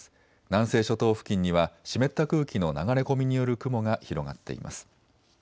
南西諸島付近には湿った空気の流れ込みによる雲が広がっています。